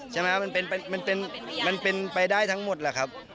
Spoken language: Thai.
ใช่ไหมฮะมันเป็นมันเป็นมันเป็นไปได้ทั้งหมดแหละครับ